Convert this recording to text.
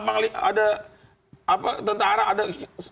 ada tentara ada